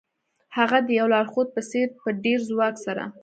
هغه د یو لارښود په څیر په ډیر ځواک سره